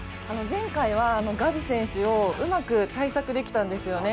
前回はガビ選手をうまく対策できたんですよね。